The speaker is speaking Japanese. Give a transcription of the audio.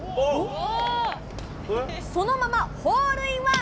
そのままホールインワン！